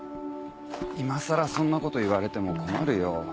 今さらそんな事言われても困るよ。